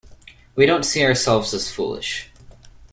We don't see ourselves as foolish.